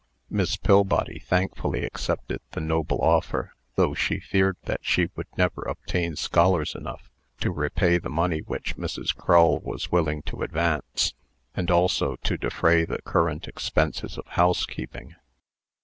Miss Pillbody thankfully accepted the noble offer; though she feared that she would never obtain scholars enough to repay the money which Mrs. Crull was willing to advance, and also to defray the current expenses of housekeeping.